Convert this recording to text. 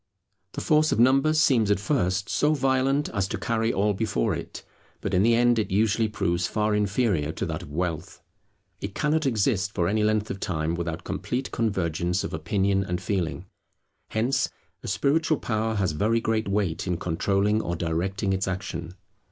The force of numbers seems at first so violent as to carry all before it; but in the end it usually proves far inferior to that of wealth. It cannot exist for any length of time without complete convergence of opinion and feeling. Hence, a spiritual power has very great weight in controlling or directing its action.